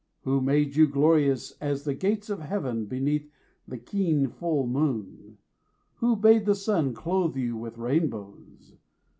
Who made you glorious as the Gates of Heaven Beneath the keen full moon? Who bade the sun 55 Clothe you with rainbows?